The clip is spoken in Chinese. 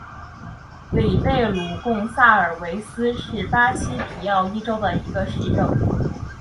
里贝鲁贡萨尔维斯是巴西皮奥伊州的一个市镇。